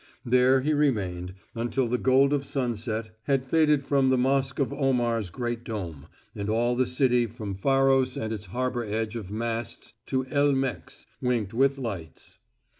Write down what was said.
There he remained, until the gold of sunset had faded from the Mosque of Omar's great dome and all the city from Pharos and its harbor hedge of masts to El Meks winked with lights.